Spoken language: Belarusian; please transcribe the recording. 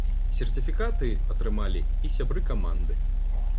Сертыфікаты атрымалі і сябры каманды.